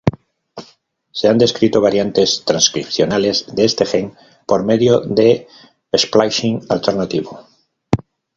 Se han descrito variantes transcripcionales de este gen por medio de "splicing alternativo".